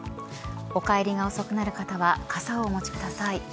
お帰りが遅くなる方は傘をお持ちください。